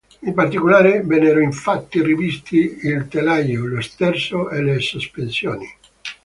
In particolare, vennero infatti rivisti il telaio, lo sterzo e le sospensioni.